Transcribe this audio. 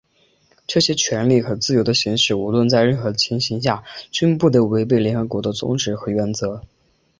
这些权利和自由的行使,无论在任何情形下均不得违背联合国的宗旨和原则。